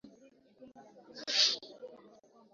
Ugonjwa wa ukurutu kwa ngombe unaweza kuathiri mifugo mingine